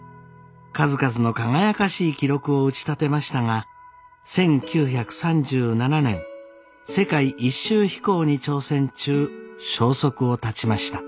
数々の輝かしい記録を打ちたてましたが１９３７年世界一周飛行に挑戦中消息を絶ちました。